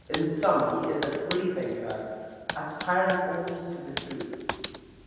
In sum he is a free thinker, aspiring only to the truth.